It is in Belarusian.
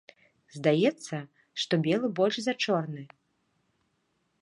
Здаецца, што белы большы за чорны.